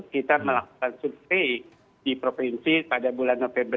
kita melakukan survei di provinsi pada bulan november